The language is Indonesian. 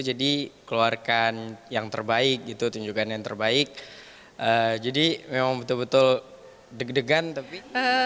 jadi keluarkan yang terbaik gitu tunjukkan yang terbaik jadi memang betul betul deg degan tapi